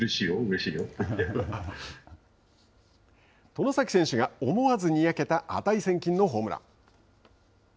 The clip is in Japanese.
外崎選手が思わずにやけた値千金のホームラン。